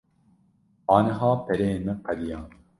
Aniha pereyên min qediyan.